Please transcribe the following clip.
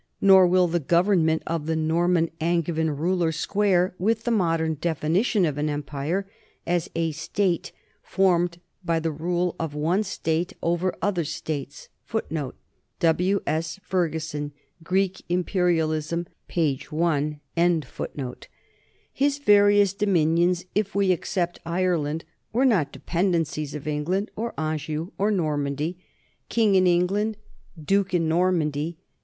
Nor will the government of the Norman An gevin ruler square with the modern definition of an em pire as "a state formed by the rule of one state over other states." l His various dominions, if we except Ireland, were not dependencies of England, or Anjou, or Normandy. King in England, duke in Normandy, 1 W.